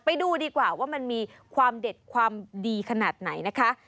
ไปดูดีกว่าว่ามันมีความเด็ดความดีขนาดไหนนะคะ